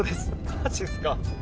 マジっすか。